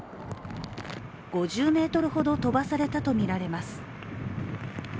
５０ｍほど飛ばされたとみられます。